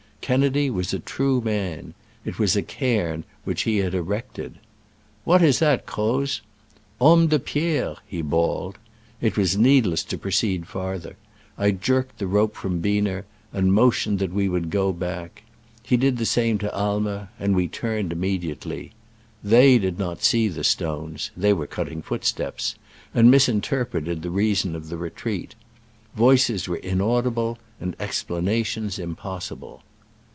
Kennedy was a true man — it was a cairn which he had erected. "What is that, Croz.?" ''Homme de pierres,^'' he bawled. It was needless to proceed farther : I jerked the rope from Biener, and motioned that we would go back. He did the same to Aimer, and we turned immediately. They did not see the stones (they were cutting footsteps), and misinterpreted the reason of the retreat. Voices were in audible and explanations impossible.